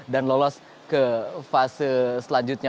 dan lolos ke fase selanjutnya